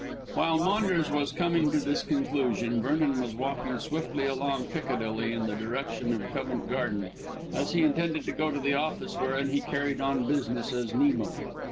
While Maunders was coming to this conclusion Vernon was walking swiftly along Piccadilly, in the direction of Covent Garden, as he intended to go to the office wherein he carried on business as Nemo.